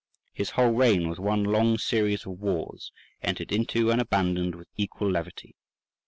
His whole reign was one long series of wars, entered into and abandoned with equal levity.